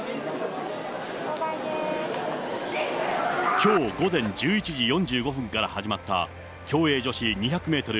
きょう午前１１時４５分から始まった、競泳女子２００メートル